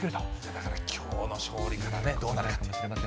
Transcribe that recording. だからきょうの勝利からどうなるかも。